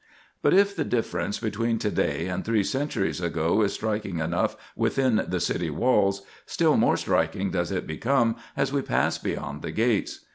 But if the difference between to day and three centuries ago is striking enough within the city walls, still more striking does it become as we pass beyond the gates.